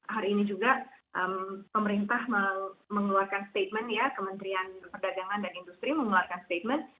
hari ini juga pemerintah mengeluarkan statement ya kementerian perdagangan dan industri mengeluarkan statement